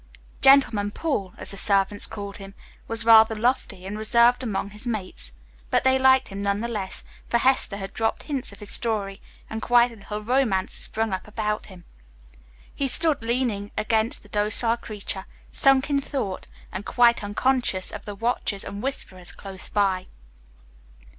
"Gentleman Paul," as the servants called him, was rather lofty and reserved among his mates, but they liked him nonetheless, for Hester had dropped hints of his story and quite a little romance had sprung up about him. He stood leaning against the docile creature, sunk in thought, and quite unconscious of the watchers and whisperers close by.